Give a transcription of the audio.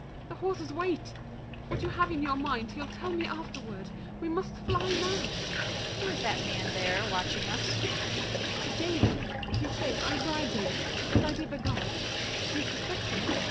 The horses wait. What you have in your mind, You'll tell me afterward. We must fly now. DIDIER. Who is that man there watching us? MARION. The jailer. He's safe; I bribed him, as I did the guard. Do you suspect them?